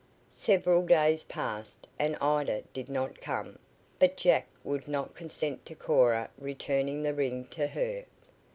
Several days passed, and Ida did not come, but Jack would not consent to Cora returning the ring to her.